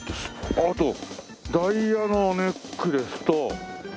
あとダイヤのネックレスと。